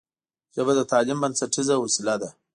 ژبه د تعلیم بنسټیزه وسیله ده